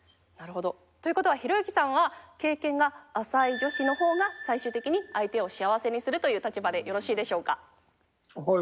なるほど。という事はひろゆきさんは経験が浅い女子の方が最終的に相手を幸せにするという立場でよろしいでしょうか？